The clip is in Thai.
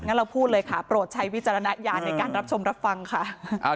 เราพูดเลยค่ะโปรดใช้วิจารณญาณในการรับชมรับฟังค่ะ